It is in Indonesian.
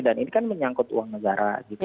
dan ini kan menyangkut uang negara gitu kan